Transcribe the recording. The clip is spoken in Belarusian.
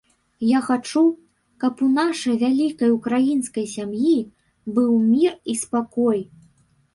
Я хачу, каб у нашай вялікай ўкраінскай сям'і быў мір і спакой.